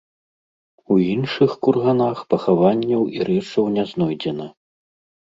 У іншых курганах пахаванняў і рэчаў не знойдзена.